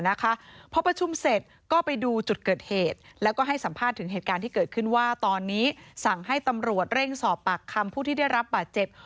พอประชุมเสร็จก็ไปดูจุดเกิดเหตุแล้วก็ให้สัมภาษณ์ถึงเหตุการณ์ที่เกิดขึ้นว่าตอนนี้สั่งให้ตำรวจเร่งสอบปากคำผู้ที่ได้รับบาดเจ็บ